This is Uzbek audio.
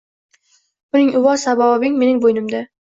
Bugungi uvol-savobing mening bo‘ynimda